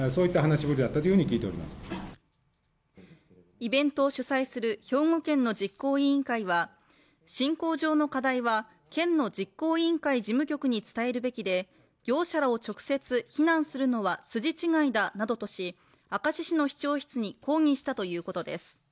イベントを主催する兵庫県の実行委員会は進行上の課題は県の実行委員会事務局に伝えるべきで業者らを直接非難するのは筋違いだなどとし明石市の市長室に抗議したということです。